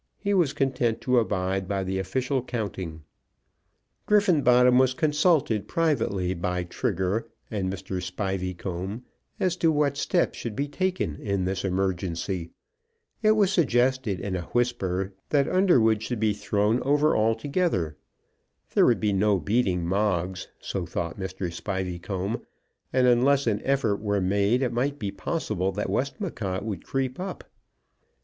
He was content to abide by the official counting. Griffenbottom was consulted privately by Trigger and Mr. Spiveycomb as to what steps should be taken in this emergency. It was suggested in a whisper that Underwood should be thrown over altogether. There would be no beating Moggs, so thought Mr. Spiveycomb, and unless an effort were made it might be possible that Westmacott would creep up.